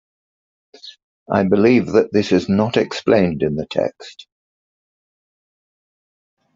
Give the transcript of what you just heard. I believe that this is not explained in the text.